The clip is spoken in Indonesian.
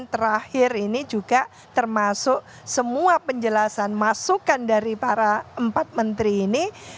dan terakhir ini juga termasuk semua penjelasan masukan dari para empat menteri ini